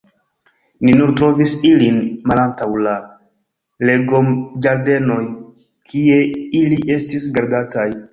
Ni nur trovis ilin malantaŭ la legomĝardenoj, kie ili estis gardataj.